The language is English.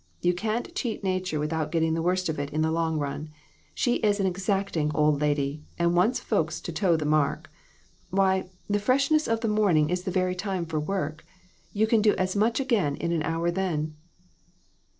You can't cheat Nature without getting the worst of it in the long run. She is an exacting old lady, and wants folks to toe the mark. Why, the freshness of the morning is the very time for work. You can do as much again in an hour then."